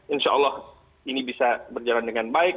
insya allah ini bisa berjalan dengan baik